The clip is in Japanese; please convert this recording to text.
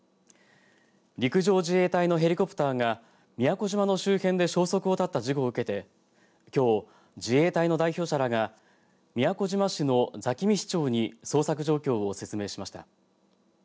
陸上自衛隊のヘリコプターが宮古島の周辺で消息を絶った事故を受けてきょう自衛隊の代表者らが宮古島市の座喜味市長に捜索状況を説明しました。